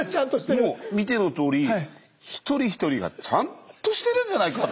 もう見てのとおり１人１人がちゃんとしてるんじゃないか。